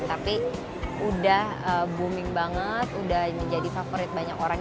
tapi udah booming banget udah menjadi favorit banyak orang